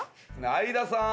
相田さん。